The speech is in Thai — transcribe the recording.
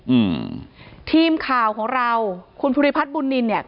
อืมทีมข่าวของเราคุณภูริพัฒน์บุญนินเนี่ย